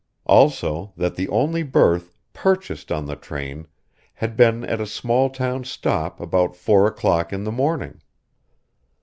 Also that the only berth purchased on the train had been at a small town stop about four o'clock in the morning.